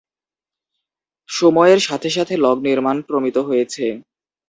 সময়ের সাথে সাথে, লগ নির্মাণ প্রমিত হয়েছে।